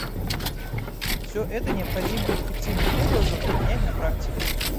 Все это необходимо эффективным образом применять на практике.